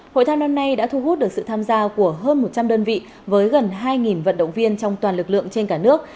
hội thao năm nay đã thu hút được sự tham gia của hơn một trăm linh đơn vị với gần hai vận động viên trong toàn lực lượng trên cả nước